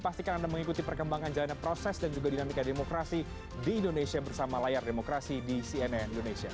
pastikan anda mengikuti perkembangan jalannya proses dan juga dinamika demokrasi di indonesia bersama layar demokrasi di cnn indonesia